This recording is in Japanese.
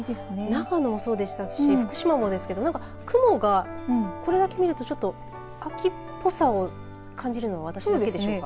長野もそうでしたし福島もですけど雲が、これだけ見ると秋っぽさを感じるのは、私だけでしょうか。